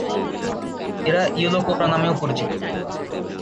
এরা yellow cobra নামেও পরিচিত।